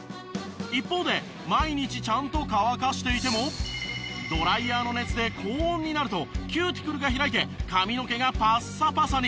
一方で毎日ちゃんと乾かしていてもドライヤーの熱で高温になるとキューティクルが開いて髪の毛がパッサパサに。